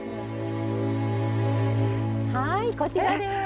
はいこちらです。